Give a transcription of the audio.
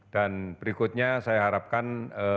dan berikutnya saya harapkan